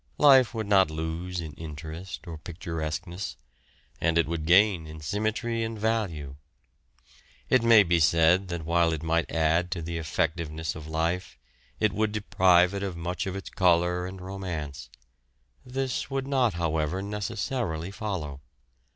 Life would not lose in interest or picturesqueness, and it would gain in symmetry and value. It may be said that while it might add to the effectiveness of life, it would deprive it of much of its colour and romance; this would not, however, necessarily follow.